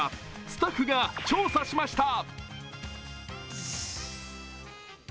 スタッフが調査しました。